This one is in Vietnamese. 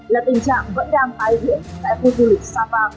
là tình trạng vẫn đang ái huyện tại khu du lịch sapa